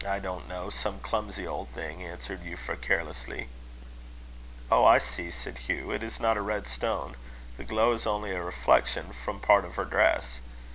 "I don't know: some clumsy old thing," answered Euphra, carelessly. "Oh! I see," said Hugh; "it is not a red stone. The glow is only a reflection from part of her dress.